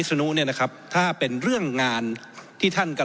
ผมจะขออนุญาตให้ท่านอาจารย์วิทยุซึ่งรู้เรื่องกฎหมายดีเป็นผู้ชี้แจงนะครับ